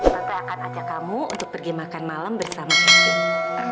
maka akan ajak kamu untuk pergi makan malam bersama kami